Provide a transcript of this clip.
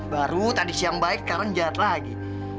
baru tadi siang baik sekarang jahat lagi